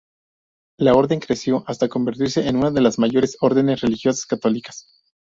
La orden creció hasta convertirse en una de las mayores órdenes religiosas católicas.